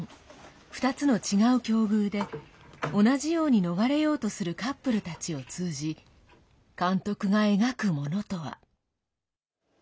２つの違う境遇で同じように逃れようとするカップルたちを通じ監督が描くものとは。